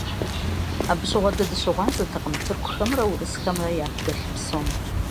Абы щыгъуэ дэ дыщыгъуазэтэкъым тыркухэмрэ урысхэмрэ яку дэлъ псом.